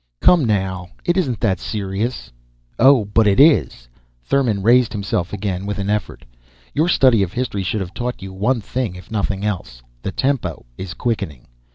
"Come now, it isn't that serious " "Oh, but it is!" Thurmon raised himself again, with an effort. "Your study of history should have taught you one thing, if nothing else. The tempo is quickening.